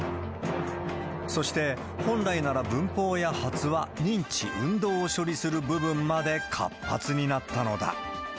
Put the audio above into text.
そして、本来なら文法や発話、認知、運動を処理する部分まで活発になったのだ。